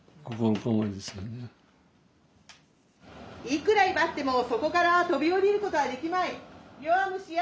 「いくら威張ってもそこから飛び降りることはできまい」。